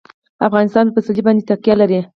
افغانستان په پسرلی باندې تکیه لري.